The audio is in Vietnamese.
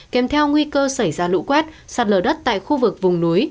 kèm theo nguy cơ xảy ra lũ quét sạt lở đất tại khu vực vùng núi